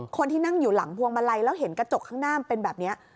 คนที่นั่งอยู่หลังพวงมาลัยแล้วเห็นกระจกข้างหน้ามันเป็นแบบนี้